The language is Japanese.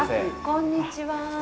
こんにちは。